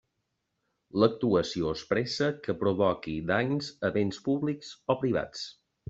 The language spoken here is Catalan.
L'actuació expressa que provoqui danys a béns públics o privats.